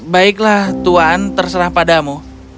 baiklah tuhan terserah padamu